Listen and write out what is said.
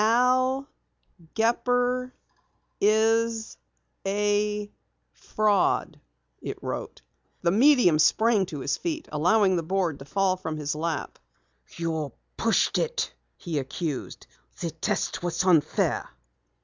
"AL GEPPER IS A FRAUD," it wrote. The medium sprang to his feet, allowing the board to fall from his lap. "You pushed it!" he accused. "The test was unfair."